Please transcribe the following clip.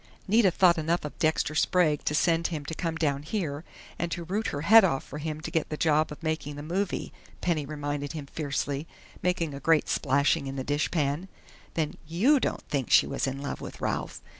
"Nita thought enough of Dexter Sprague to send for him to come down here, and to root her head off for him to get the job of making the movie," Penny reminded him fiercely, making a great splashing in the dishpan. "Then you don't think she was in love with Ralph?"